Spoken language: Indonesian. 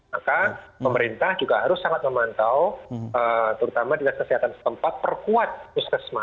maka pemerintah juga harus sangat memantau terutama di kesehatan tempat perkuat puskesman